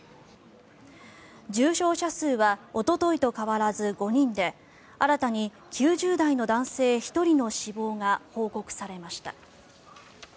重症者数はおとといと変わらず５人で新たに９０代の男性１人の死亡が報告されました。